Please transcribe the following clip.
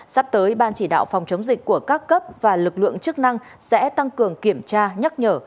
sắp tới ban chỉ đạo phòng chống dịch của các cấp và lực lượng chức năng sẽ tăng cường kiểm tra nhắc nhở